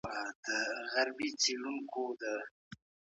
یوټیوب شبکه کي له دې ډول مراسمو څخه ګڼ